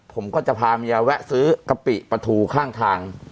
ผมก็จะพาเมียแวะซื้อกะปิปลาทูข้างทาง